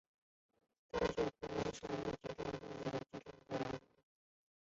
当选热河省承德市邮电局邮电工业劳模。